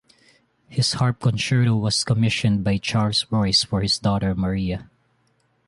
His harp concerto was commissioned by Charles Royce for his daughter Maria.